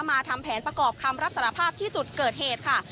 ทำแผนประกอบคำรับสารภาพที่จุดเกิดเหตุค่ะ